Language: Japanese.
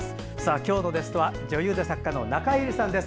今日のゲストは女優で作家の中江有里さんです。